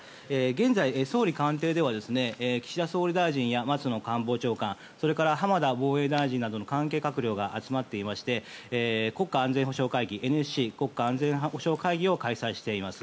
現在、総理官邸では岸田総理大臣や松野官房長官それから浜田防衛大臣などの関係閣僚が集まっていまして国家安全保障会議・ＮＳＣを開催しています。